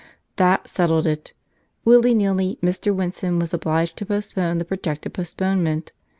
That settled it. Willy nilly Mr. Winson was obliged to postpone the projected postponement.